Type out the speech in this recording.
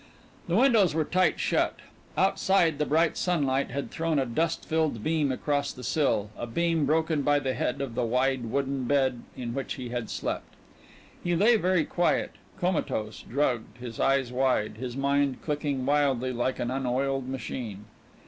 The windows were tight shut. Outside the bright sunlight had thrown a dust filled beam across the sill a beam broken by the head of the wide wooden bed in which he had slept. He lay very quiet comatose, drugged, his eyes wide, his mind clicking wildly like an unoiled machine.